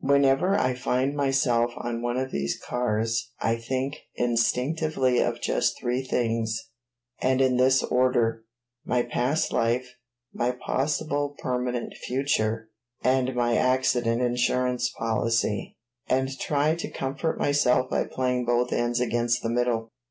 Whenever I find myself on one of these cars I think instinctively of just three things, and in this order my past life, my possible permanent future, and my accident insurance policy and try to comfort myself by playing both ends against the middle.